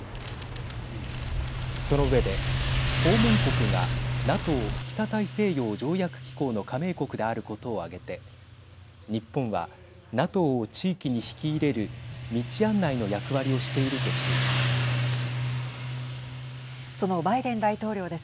その上で訪問国がＮＡＴＯ＝北大西洋条約機構の加盟国であることを挙げて日本はＮＡＴＯを地域に引き入れる道案内の役割をしているとしています。